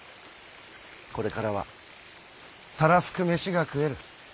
これからはたらふく飯が食える。